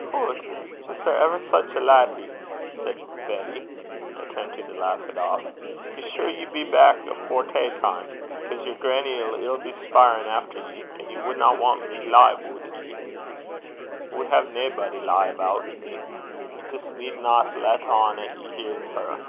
'Hoot! was there ever sic a laddie!' said Betty, attempting to laugh it off. 'Be sure ye be back afore tay time, 'cause yer grannie 'ill be speirin' efter ye, and ye wadna hae me lee aboot ye?' 'I wad hae naebody lee about me. Ye jist needna lat on 'at ye hear her.